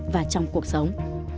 và trong cuộc sống